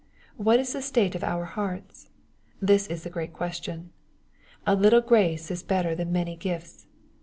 What is the state of our hearts ? This is the great question. A little grace is better than many gifts.